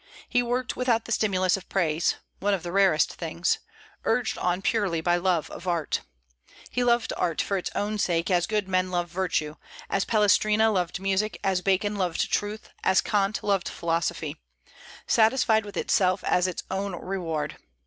He worked without the stimulus of praise, one of the rarest things, urged on purely by love of art. He loved art for its own sake, as good men love virtue, as Palestrina loved music, as Bacon loved truth, as Kant loved philosophy, satisfied with itself as its own reward.